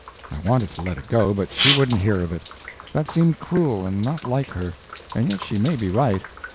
I wanted to let it go, but she wouldn't hear of it. That seemed cruel and not like her; and yet she may be right.